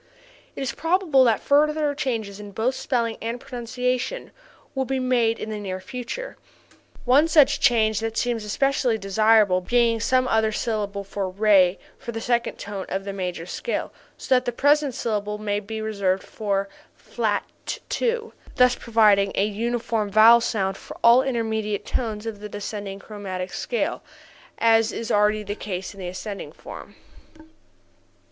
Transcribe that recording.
It is probable that further changes in both spelling and pronunciation will be made in the near future, one such change that seems especially desirable being some other syllable than RE for the second tone of the major scale, so that the present syllable may be reserved for "flat two," thus providing a uniform vowel sound for all intermediate tones of the descending chromatic scale, as is already the case in the ascending form.